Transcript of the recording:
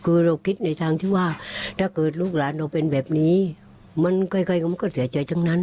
คือเราคิดในทางที่ว่าถ้าเกิดลูกหลานเราเป็นแบบนี้มันใครก็มันก็เสียใจทั้งนั้น